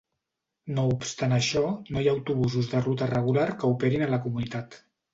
No obstant això, no hi ha autobusos de ruta regular que operin a la comunitat.